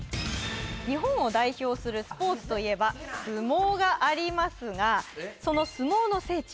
日本を代表するスポーツといえば相撲がありますがその相撲の聖地